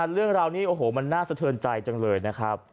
เรื่องราวนี้โอ้โหมันน่าสะเทินใจจังเลยนะครับ